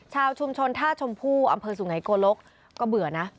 ชาวชุมชนท่าชมพู่อำเภอสุไงโกลกก็เบื่อนะ